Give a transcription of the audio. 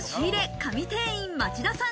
神店員・町田さん。